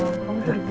berat sekarang ya